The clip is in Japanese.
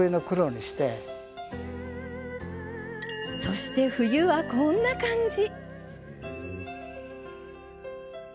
そして、冬はこんな感じ。